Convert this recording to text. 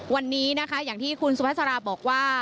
วันนี้อย่างที่คุณสุภัสราบอกว่า